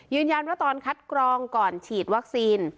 ยืนยันว่าตอนคัดกรองก่อนฉีดวัคซีน